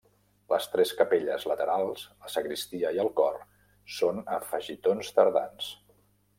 Les tres capelles laterals, la sagristia i el cor són afegitons tardans.